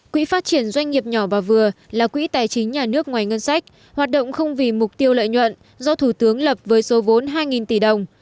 quỹ phát triển doanh nghiệp nhỏ và vừa là quỹ tài chính nhà nước ngoài ngân sách hoạt động không vì mục tiêu lợi nhuận do thủ tướng lập với số vốn hai tỷ đồng